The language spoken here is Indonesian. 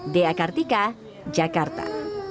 dea kartika jakarta